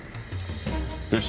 よし。